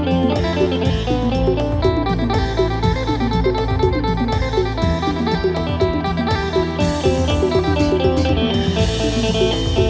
เธอไม่รู้ว่าเธอไม่รู้